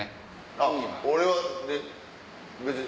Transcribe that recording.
あっ俺は別に。